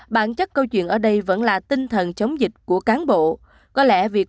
bản chất câu chuyện ở đây vẫn là tinh thần chống dịch của cán bộ